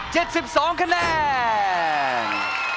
เจ็ดสิบสองคะแนน